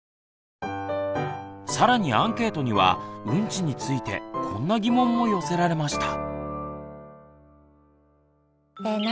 更にアンケートにはウンチについてこんな疑問も寄せられました。